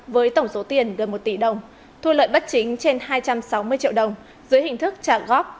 với tổng số tiền gần một tỷ đồng thu lợi bất chính trên hai trăm sáu mươi triệu đồng dưới hình thức trả góp